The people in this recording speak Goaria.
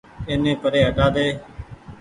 اي ني پري هٽآ ۮي ۔